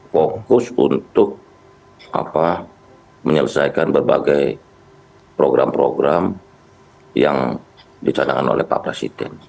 fokus untuk menyelesaikan berbagai program program yang dicadangkan oleh pak presiden